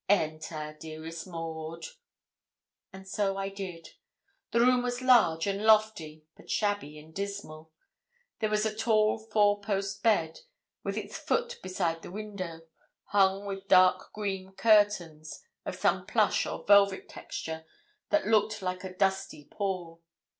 Enter, dearest Maud.' And so I did. The room was large and lofty, but shabby and dismal. There was a tall four post bed, with its foot beside the window, hung with dark green curtains, of some plush or velvet texture, that looked like a dusty pall.